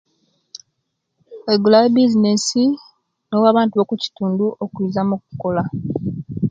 Oigulawo ebizinesi nowa abantu obokitundu okwiza mu okola